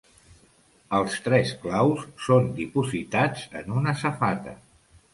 Els tres claus són dipositats en una safata.